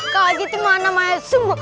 kalau gitu mana mahasiswa